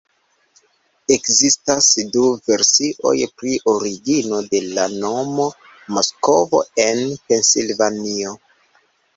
Ekzistas du versioj pri origino de la nomo Moskvo en Pensilvanio.